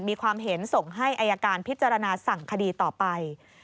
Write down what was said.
มีความเห็นส่งให้อายการพิจารณาสั่งคดีต่อไป